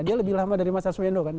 dia lebih lama dari mas arswendo kan